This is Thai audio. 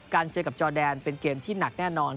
เจอกับจอแดนเป็นเกมที่หนักแน่นอน